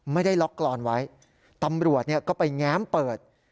ไม่ได้ล็อกกรอนไว้ตำรวจก็ไปแง้มเปิด